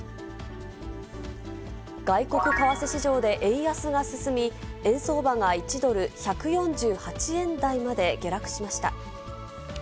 外国為替市場で円安が進み、円相場が１ドル１４８円台まで下落しました。